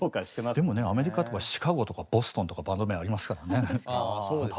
でもねアメリカとかシカゴとかボストンとかバンド名ありますからね。